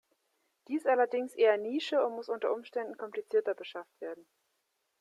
Die ist allerdings eher Nische und muss unter Umständen komplizierter beschafft werden.